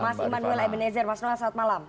mas emanuel ebenezer masnoa selamat malam